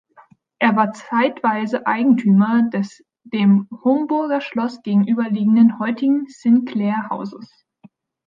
Er war zeitweise Eigentümer des dem Homburger Schloss gegenüberliegenden heutigen Sinclair-Hauses.